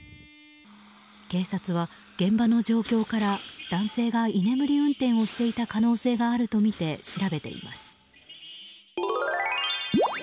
警察は現場の状況から男性が居眠り運転をしていた可能性があるとみて調べています。